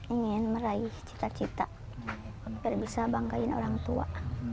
ingin meraih cita cita biar bisa banggain orang tua